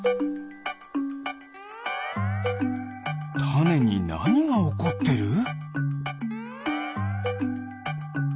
タネになにがおこってる？